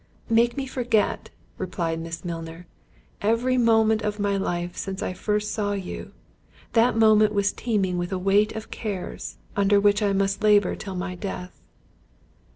"Make me forget," replied Miss Milner, "every moment of my life since I first saw you—that moment was teeming with a weight of cares, under which I must labour till my death."